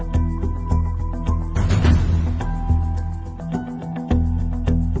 รอดตายรถเก่ง